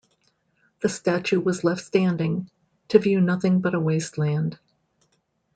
The statue was left standing, to view nothing but a wasteland.